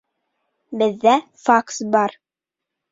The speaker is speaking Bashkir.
Беҙҙә факс бар